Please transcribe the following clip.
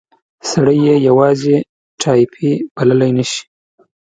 سړی یې یوازې ټایپي بللای نه شي.